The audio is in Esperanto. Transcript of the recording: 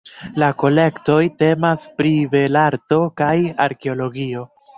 La kolektoj temas pri belarto kaj arkeologio.